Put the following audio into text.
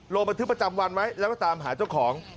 ลงบันทึกประจำวันไว้แล้วก็ตามหาเจ้าของ